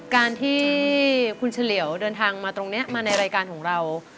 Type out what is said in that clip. การที่คุณเฉลี่ยวเดินทางมาตรงนี้มาในรายการของเรา